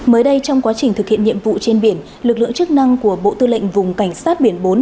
mới đây trong quá trình thực hiện nhiệm vụ trên biển lực lượng chức năng của bộ tư lệnh vùng cảnh sát biển bốn